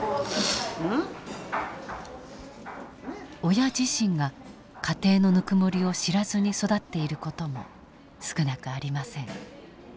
親自身が家庭のぬくもりを知らずに育っている事も少なくありません。